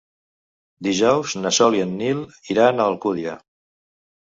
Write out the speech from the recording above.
Dijous na Sol i en Nil iran a Alcúdia.